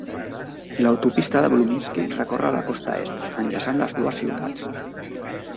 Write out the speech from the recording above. L'autopista de Bluminski recorre la costa est, enllaçant les dues ciutats.